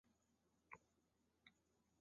万德斯坦。